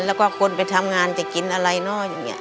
แล้วก็คนไปทำงานจะกินอะไรเนาะอย่างนี้